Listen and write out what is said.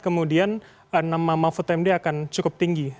kemudian nama mahfud md akan cukup tinggi